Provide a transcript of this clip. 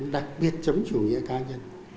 đặc biệt chống chủ nghĩa cá nhân